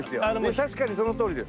確かにそのとおりです。